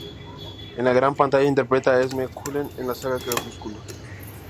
En la gran pantalla interpreta a Esme Cullen en la Saga Crepúsculo.